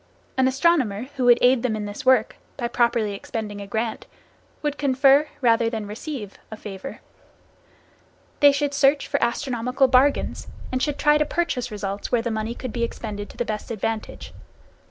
An astronomer who would aid them in this work, by properly expending a grant, would confer rather than receive a favor. They should search for astronomical bargains, and should try to purchase results where the money could be expended to the best advantage.